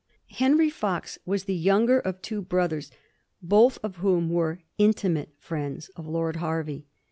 Henry Fox was the younger of two brothers, both of whom were intimate friends of Lord Hervey.